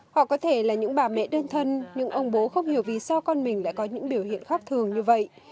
họ có thể là những bà mẹ đơn thân nhưng ông bố không hiểu vì sao con mình đã có những biểu hiện khắc thường như vậy